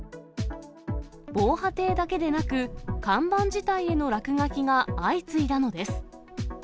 防波堤だけでなく、看板自体への落書きが相次いだのです。